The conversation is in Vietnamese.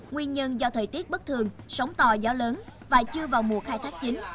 nguyên nhân do thời tiết bất thường sóng to gió lớn và chưa vào mùa khai thác chính